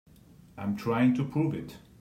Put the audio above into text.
I'm trying to prove it.